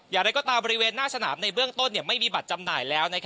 อย่างไรก็ตามบริเวณหน้าสนามในเบื้องต้นไม่มีบัตรจำหน่ายแล้ว